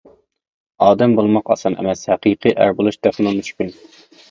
ئادەم بولماق ئاسان ئەمەس، ھەقىقىي ئەر بولۇش تېخىمۇ مۈشكۈل.